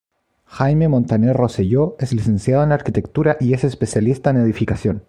Jaime Montaner Roselló es licenciado en Arquitectura y es especialista en edificación.